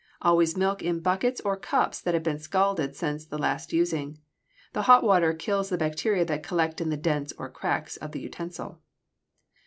Always milk in buckets or cups that have been scalded since the last using. The hot water kills the bacteria that collect in the dents or cracks of the utensil.